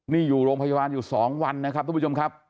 นี่อยู่โรงพยาบาลอยู่๒วันนะครับทุกผู้ชมครับ